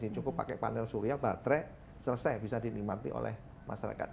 cukup pakai panel surya baterai selesai bisa dinikmati oleh masyarakat